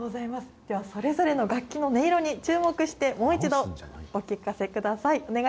ではそれぞれの楽器の音色に注目して、もう一度、お聞かせください。